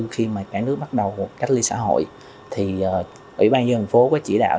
khi mà cả nước bắt đầu cách ly xã hội thì ủy ban nhân thành phố có chỉ đạo